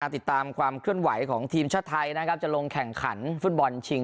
ติดตามความเคลื่อนไหวของทีมชาติไทยนะครับจะลงแข่งขันฟุตบอลชิง